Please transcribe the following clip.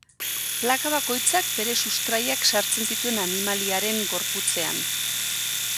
Plaka bakoitzak bere sustraiak sartzen zituen animaliaren gorputzean.